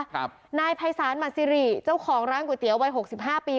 ครับนายภัยศาลมาซิริเจ้าของร้านก๋วยเตี๋วัยหกสิบห้าปี